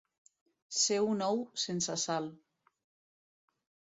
Ser un ou sense sal.